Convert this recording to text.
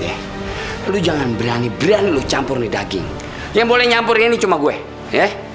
eh lu jangan berani berani lu campur nih daging yang boleh nyampur ini cuma gue ya